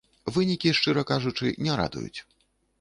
Вынікі, шчыра кажучы, не радуюць.